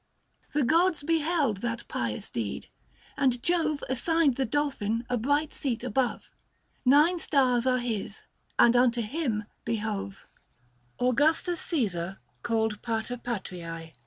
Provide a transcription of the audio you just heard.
The gods beheld that pious deed ; and Jove Assigned the dolphin a bright seat above : 110 Nine stars are his, and unto him behove. PRID. NON. FEB. AUGUSTUS CLESAR CALLED PATER PATRIAE.